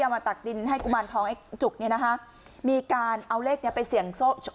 มาตักดินให้กุมารทองไอ้จุกเนี่ยนะคะมีการเอาเลขเนี้ยไปเสี่ยงโชค